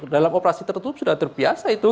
dalam operasi tertutup sudah terbiasa itu